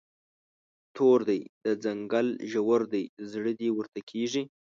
تور دی، دا ځنګل ژور دی، زړه دې ورته کیږي